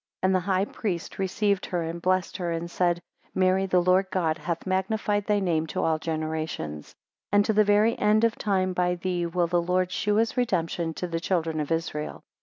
And the high priest received her, and blessed her, and said, Mary, the Lord God hath magnified thy name to all generations, and to the very end of time by thee will the Lord shew his redemption to the children of Israel.